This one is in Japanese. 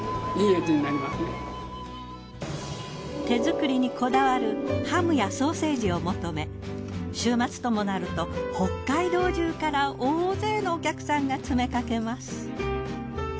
手作りにこだわるハムやソーセージを求め週末ともなると北海道中から大勢のお客さんが詰めかけます。